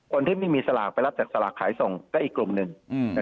คนที่ไม่มีสลากไปรับจากสลากขายส่งก็อีกกลุ่มหนึ่ง